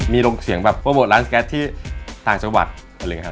มีลงเสียงแบบโปรโมทร้านสแก๊สที่ต่างจังหวัดอะไรอย่างนี้ครับ